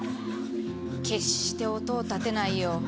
「決して音を立てないよう」